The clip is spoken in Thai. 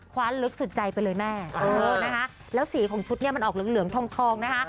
คว้าลึกสุดใจไปเลยแม่แล้วสีของชุดมันออกเหลืองทองนะฮะ